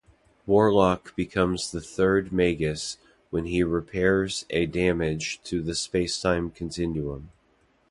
Warlock becomes the third Magus when he repairs a damage to the spacetime continuum.